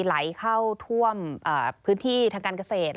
ไหลเข้าท่วมพื้นที่ทางการเกษตร